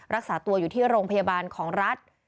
รักษาตัวอยู่ที่โรงพยาบาลของรัฐ